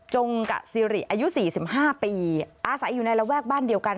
จงกะสิริอายุ๔๕ปีอาศัยอยู่ในระแวกบ้านเดียวกัน